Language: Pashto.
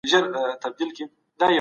تل د خپلو همکارانو سره نېک چلند کوه.